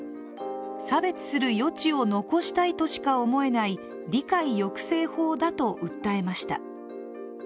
差別する余地を残したいとしか思えない理解抑制法だと訴えました。